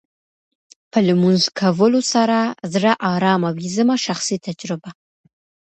په لمونځ کولو سره زړه ارامه وې زما شخصي تجربه.